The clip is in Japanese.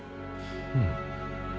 うん。